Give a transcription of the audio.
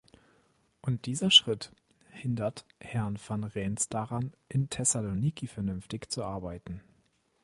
Und dieser Schritt hindert Herrn Van Rens daran, in Thessaloniki vernünftig zu arbeiten.